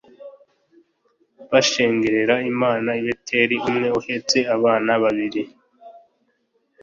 bashengerera imana i beteli umwe ahetse abana babiri